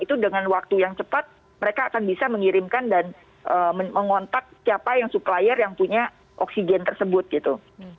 itu dengan waktu yang cepat mereka akan bisa mengirimkan dan mengontak siapa yang supplier yang punya oksigen tersebut gitu